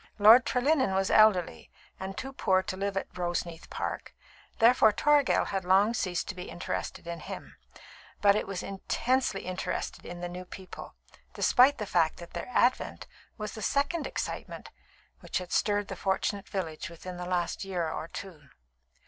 Lord Trelinnen was elderly, and too poor to live at Roseneath Park, therefore Toragel had long ceased to be interested in him; but it was intensely interested in the new people, despite the fact that their advent was the second excitement which had stirred the fortunate village within the last year or two.